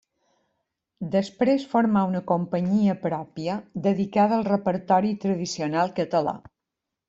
Després formà una companyia pròpia dedicada al repertori tradicional català.